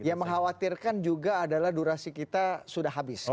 yang mengkhawatirkan juga adalah durasi kita sudah habis